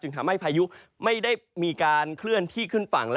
ทำให้พายุไม่ได้มีการเคลื่อนที่ขึ้นฝั่ง